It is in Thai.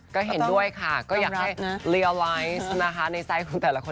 ก็เห็นด้วยค่ะก็อยากให้เรียไว้นะคะในไซส์ของแต่ละคน